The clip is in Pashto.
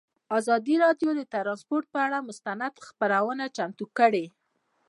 ازادي راډیو د ترانسپورټ پر اړه مستند خپرونه چمتو کړې.